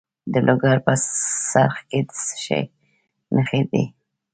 د لوګر په څرخ کې د څه شي نښې دي؟